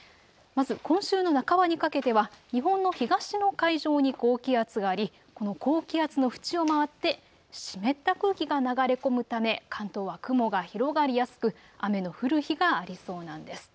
まず今週の半ばにかけては日本の東の海上に高気圧がありこの高気圧の縁を回って湿った空気が流れ込むため関東は雲が広がりやすく雨の降る日がありそうなんです。